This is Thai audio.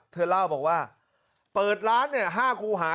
เธอเล่าบอกว่าเปิดร้าน๕ครูหา